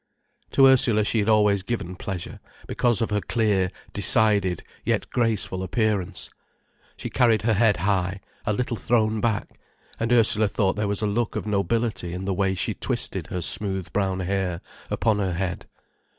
To Ursula she had always given pleasure, because of her clear, decided, yet graceful appearance. She carried her head high, a little thrown back, and Ursula thought there was a look of nobility in the way she twisted her smooth brown hair upon her head.